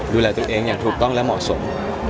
ดูแลตัวเองอย่างถูกต้องและเหมาะสม